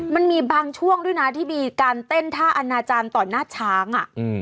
มันมีบางช่วงด้วยนะที่มีการเต้นท่าอนาจารย์ต่อหน้าช้าง